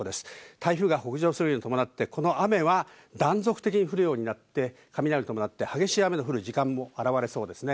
台風が北上するに伴って、この雨は断続的に降るようになって、雷を伴って激しい雨の降る時間も現れそうですね。